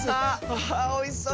あおいしそう。